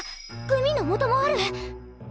グミのもともある！